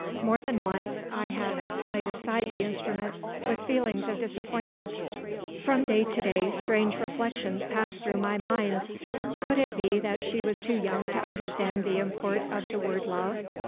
More than once I have laid aside the instrument with feelings of disappointment. From day to day, strange reflections passed through my mind. Could it be that she was too young to understand the import of the word love?